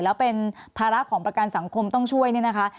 แล้วเป็นภาระของประกันสังคมต้องช่วยเนี่ยนะคะ